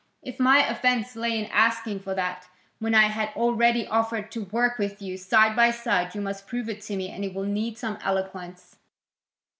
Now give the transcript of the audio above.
If my offence lay in asking for that, when I had already offered to work with you, side by side, you must prove it to me; and it will need some eloquence."